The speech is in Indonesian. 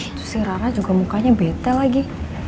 itu sih rara juga mukanya betel lagi